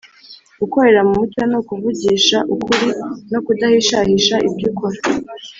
Gukorera mu mucyo ni ukuvugisha ukuri no kudahishahisha ibyo ukora.